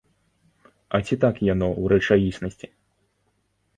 А ці так яно ў рэчаіснасці?